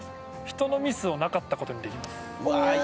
人のミスをなかったことにできます。